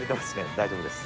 大丈夫です。